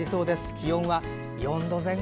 気温は４度前後。